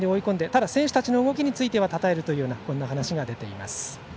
ただ、選手たちの動きについてはたたえるというようなそんな話が出ています。